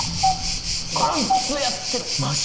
こいつやってるマジ？